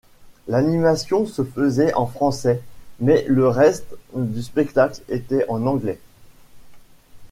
L'animation se faisait en français mais le reste du spectacle était en anglais.